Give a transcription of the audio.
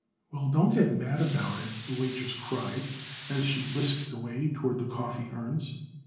"Well, don't get mad about it," the waitress cried, as she whisked away toward the coffee urns.